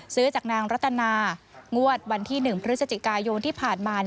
ซื้อจากนางรัตนางวดวันที่๑พฤศจิกายนที่ผ่านมา